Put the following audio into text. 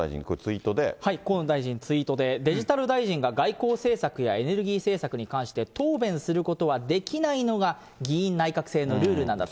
河野大臣、ツイートでデジタル大臣が外交政策やエネルギー政策に関して答弁することはできないのが、議院内閣制のルールなんだと。